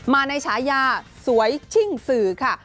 มาในฉายาสวยชิ่งสื่อค่ะ